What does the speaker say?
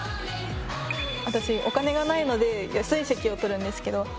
私お金がないので安い席を取るんですけど。